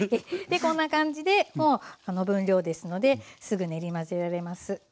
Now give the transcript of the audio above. でこんな感じでもうあの分量ですのですぐ練り混ぜられます。